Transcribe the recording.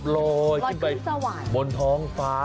รอยไหมก็เจ้า